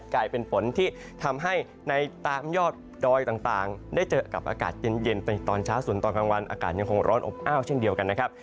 กลายเป็นฝนที่ทำให้ในตามยอดดอยต่างได้เจอกับอากาศเย็นไปตอนเช้าส่วนตอนกลางวันอากาศยังคงร้อนอบอ้าวเช่นเดียวกันนะครับ